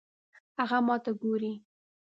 هغه ماته ګوري